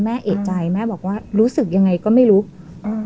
แม่เอกใจแม่บอกว่ารู้สึกยังไงก็ไม่รู้อืม